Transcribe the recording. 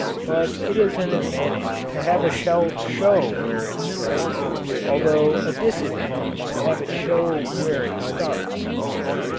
But it is an advantage to have a shell show where it strikes, although a disadvantage to have it show where it starts.